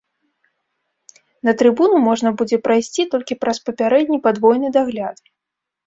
На трыбуну можна будзе прайсці толькі праз папярэдні падвойны дагляд.